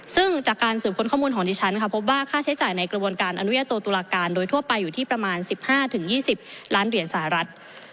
ซึ่งจากการสืบค้นข้อมูลของดิฉันค่ะพบว่าค่าใช้จ่ายในกระบวนการอนุญาโตตุลาการโดยทั่วไปอยู่ที่ประมาณ๑๕๒๐ล้านเหรียญสหรัฐ